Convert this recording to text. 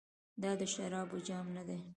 دا د شرابو جام ندی.